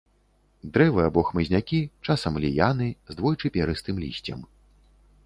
Дрэвы або хмызнякі, часам ліяны, з двойчы перыстым лісцем.